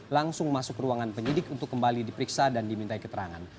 langsung masuk ruangan penyidik untuk kembali diperiksa dan diminta keterangan